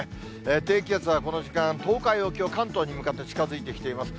低気圧はこの時間、東海沖を関東に向かって近づいてきています。